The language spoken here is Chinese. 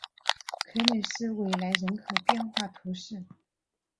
格雷斯维莱人口变化图示